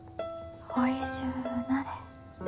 おいしゅうなれ。